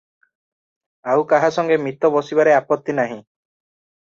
ଆଉ କାହା ସଙ୍ଗେ ମିତ ବସିବାରେ ଆପତ୍ତି ନାହିଁ ।